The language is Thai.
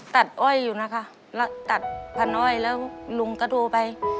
อ้อยอยู่นะคะแล้วตัดพันอ้อยแล้วลุงก็โทรไป